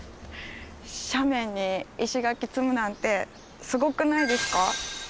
斜面に石垣積むなんてすごくないですか？